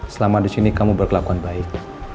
selama disini kamu berkelakuan baik